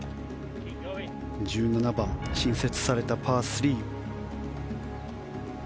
１７番、新設されたパー３。